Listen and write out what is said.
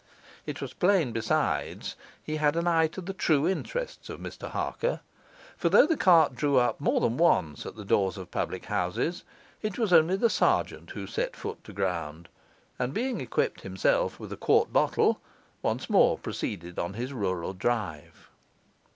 It was plain, besides, he had an eye to the true interests of Mr Harker; for though the cart drew up more than once at the doors of public houses, it was only the sergeant who set foot to ground, and, being equipped himself with a quart bottle, once more proceeded on his rural drive.